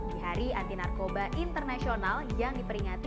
di hari anti narkoba internasional yang diperingati